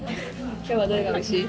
今日はどれがおいしい？